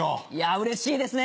うれしいですね。